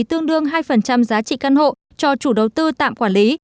tương đương hai giá trị căn hộ cho chủ đầu tư tạm quản lý